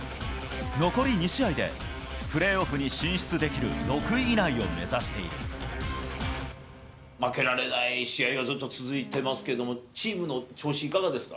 残り２試合で、プレーオフに進出負けられない試合がずっと続いてますけども、チームの調子、いかがですか？